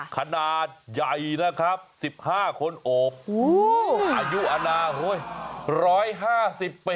ขนาดใหญ่นะครับ๑๕คนโอบอายุอนา๑๕๐ปี